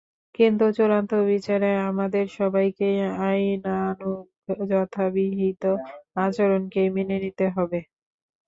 কিন্তু চূড়ান্ত বিচারে আমাদের সবাইকেই আইনানুগ যথাবিহিত আচরণকেই মেনে নিতে হবে।